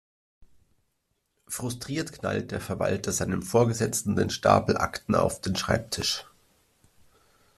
Frustriert knallt der Verwalter seinem Vorgesetzten den Stapel Akten auf den Schreibtisch.